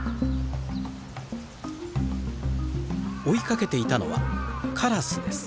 追いかけていたのはカラスです。